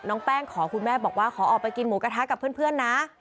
แป้งขอคุณแม่บอกว่าขอออกไปกินหมูกระทะกับเพื่อนนะ